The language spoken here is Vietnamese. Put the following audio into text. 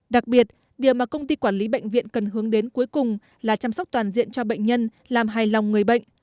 đặc biệt điều mà công ty quản lý bệnh viện cần hướng đến cuối cùng là chăm sóc toàn diện cho bệnh nhân làm hài lòng người bệnh